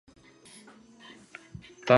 誕生日にサプライズパーティーをしてくれた。